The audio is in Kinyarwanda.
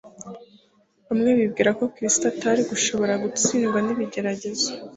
Bamwe bibwira ko Kristo atari gushobora gutsindwa n'ibigeragezo.